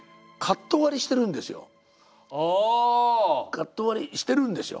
カット割りしてるんですよ。